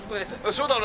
そうだろ？